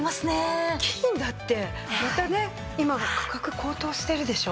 金だってまたね今価格高騰してるでしょ？